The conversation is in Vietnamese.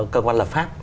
cơ quan lập pháp